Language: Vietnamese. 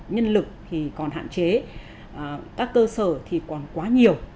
nhân lực thì còn hạn chế các cơ sở thì còn quá nhiều